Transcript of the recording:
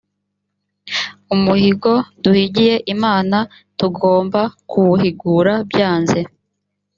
umuhigo duhigiye imana tugomba kuwuhigura byanze